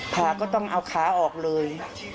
ผ่าก็ต้องเอาขาออกเลย